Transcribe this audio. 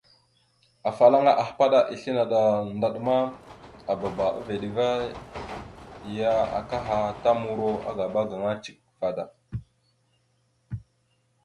Afalaŋa ahpaɗá islé naɗ a ndaɗ ma, aababa a veɗ ava ya akaha ta muro agaba gaŋa cek vaɗ da.